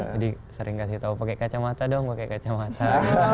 jadi sering kasih tau pakai kacamata dong pakai kacamata